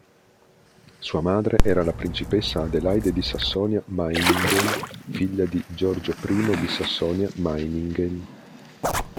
Sua madre era la principessa Adelaide di Sassonia-Meiningen, figlia di Giorgio I di Sassonia-Meiningen.